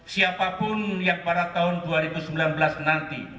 siapapun yang pada tahun dua ribu sembilan belas nanti